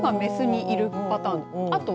雄が雌にいるパターン。